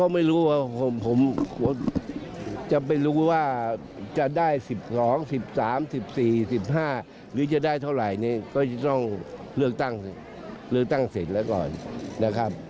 ไม่ว่าจะได้๑๒๑๓๑๔๑๕หรือจะได้เท่าไรก็จะต้องเลือกตั้งเสร็จแล้วก่อน